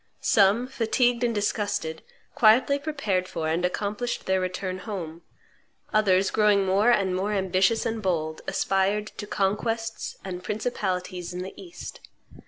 Some, fatigued and disgusted, quietly prepared for and accomplished their return home; others, growing more and more ambitious and bold, aspired to conquests and principalities in the East.